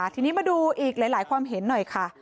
ทีนี้มาดูอีกหลายความเห็นหน่อยค่ะ